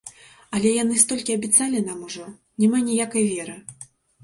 Але яны столькі абяцалі нам ужо, няма ніякай веры.